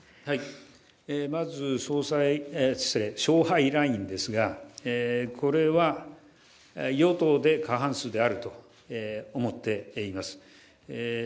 まず、勝敗ラインですが、与党で過半数であると思っています。